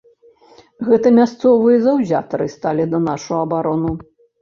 Гэта мясцовыя заўзятары сталі на нашу абарону.